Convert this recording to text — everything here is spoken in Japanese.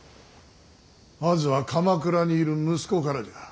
まずは鎌倉にいる息子からじゃ。